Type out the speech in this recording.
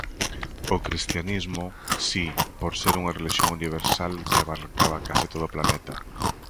O cristianismo, si, por ser unha relixión universal que abarcaba case todo o planeta.